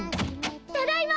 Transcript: ただいま！